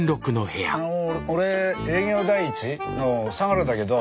あの俺営業第一？の相良だけど。